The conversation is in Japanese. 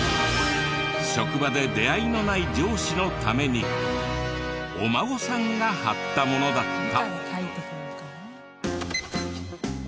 職場で出会いのない上司のためにお孫さんが貼ったものだった。